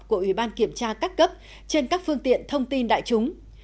của ủy ban kiểm tra các cấp trên các phương tiện thông tin đại chúng